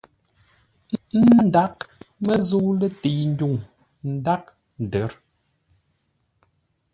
Ndaghʼ məzə̂u lətei ndwuŋ ndaghʼ ndər.